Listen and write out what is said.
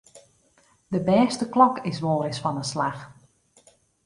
De bêste klok is wolris fan 'e slach.